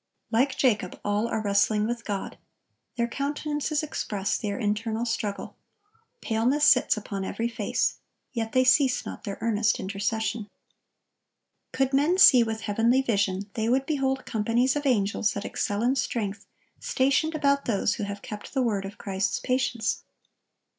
(1082) Like Jacob, all are wrestling with God. Their countenances express their internal struggle. Paleness sits upon every face. Yet they cease not their earnest intercession. Could men see with heavenly vision, they would behold companies of angels that excel in strength stationed about those who have kept the word of Christ's patience.